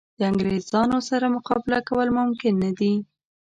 د انګرېزانو سره مقابله کول ممکن نه دي.